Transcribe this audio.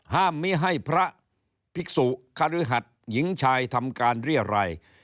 มิให้พระภิกษุคฤหัสหญิงชายทำการเรียรัย